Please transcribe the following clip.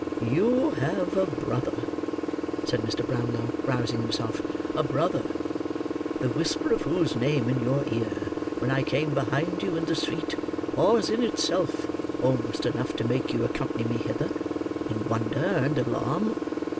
"You have a brother," said Mr. Brownlow, rousing himself: "a brother, the whisper of whose name in your ear when I came behind you in the street, was, in itself, almost enough to make you accompany me hither, in wonder and alarm."